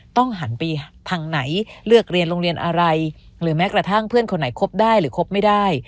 ต้องหันไปทางไหนเลือกเรียนโรงเรียนอะไรหรือแม้กระทั่งเพื่อนคนไหนคบได้หรือคบไม่ได้